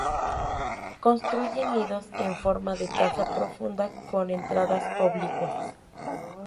Construyen nidos en formato de taza profunda con entradas oblicuas.